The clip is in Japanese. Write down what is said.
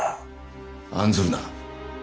案ずるな。